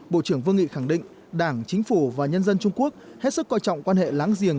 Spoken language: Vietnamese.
bộ trưởng vương nghị khẳng định đảng chính phủ và nhân dân trung quốc hết sức coi trọng quan hệ láng giềng